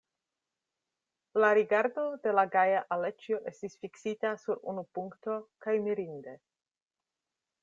La rigardo de la gaja Aleĉjo estis fiksita sur unu punkto, kaj mirinde!